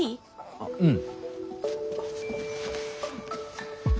ああうん。